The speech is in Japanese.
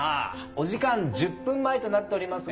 お時間１０分前となっておりますが。